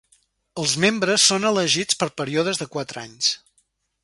Els membres són elegits per períodes de quatre anys.